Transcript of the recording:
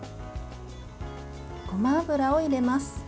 ごま油を入れます。